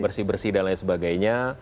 bersih bersih dan lain sebagainya